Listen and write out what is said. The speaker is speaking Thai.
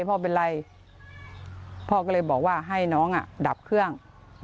พ่อก็เลยบอกว่าให้น้องดับเครื่อง